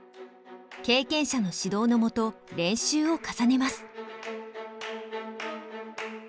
経験者の指導のもと練習を重ねます。